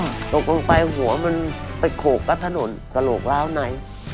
ตกลงไปหัวมันไปโขกกับถนนกระโหลกล้าวไหน